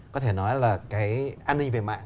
có thể nói là cái an ninh về mạng